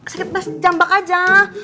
sakit pas jambak aja